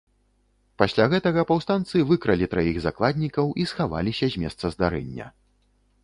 Пасля гэтага паўстанцы выкралі траіх закладнікаў і схаваліся з месца здарэння.